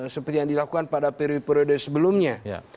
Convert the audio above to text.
seperti yang dilakukan pada periode periode sebelumnya